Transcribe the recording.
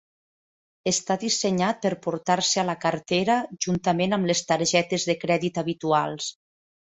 Està dissenyat per portar-se a la cartera juntament amb les targetes de crèdit habituals.